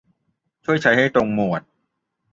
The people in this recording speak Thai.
ช่วยใช้ให้ตรงหมวด